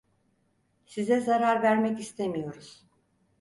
Size zarar vermek istemiyoruz.